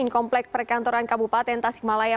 kompleks perkantoran kabupaten tasikmalaya